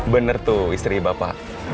bener tuh istri bapak